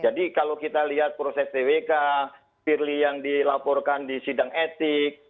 jadi kalau kita lihat proses twk pirli yang dilaporkan di sidang etik